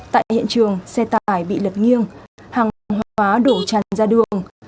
tại hiện trường xe tải bị lật nghiêng hàng hóa đổ chàn ra đường